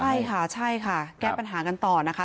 ใช่ค่ะใช่ค่ะแก้ปัญหากันต่อนะคะ